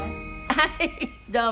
はいどうも。